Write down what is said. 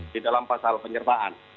di dalam pasal penyerbaan